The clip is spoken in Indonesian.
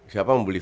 siapa mau beli